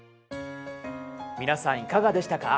皆さんいかがでしたか？